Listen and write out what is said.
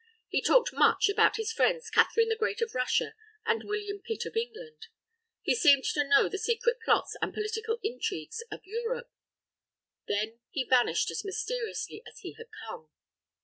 He talked much about his friends Catherine the Great of Russia and William Pitt of England. He seemed to know the secret plots and political intrigues of Europe. Then he vanished as mysteriously as he had come.